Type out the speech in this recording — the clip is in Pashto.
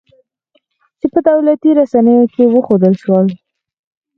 چې په دولتي رسنیو کې وښودل شول